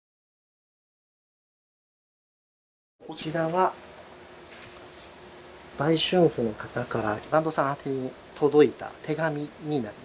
こちらは売春婦の方から團藤さん宛てに届いた手紙になりますね。